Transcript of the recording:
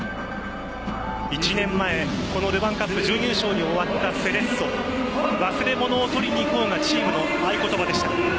１年前、このルヴァンカップ準優勝に終わったセレッソ忘れ物を取りに行こうがチームの合言葉でした。